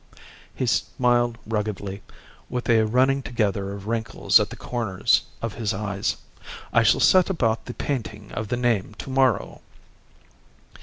He smiled ruggedly, with a running together of wrinkles at the corners of his eyes. "I shall set about the painting of the name to morrow."